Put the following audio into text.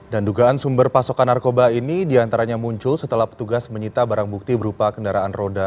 dan dugaan sumber pasokan narkoba ini diantaranya muncul setelah petugas menyita barang bukti berupa kendaraan roda empat dan juga truk